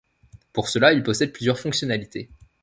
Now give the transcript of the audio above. Pour cela, il possède plusieurs fonctionnalités.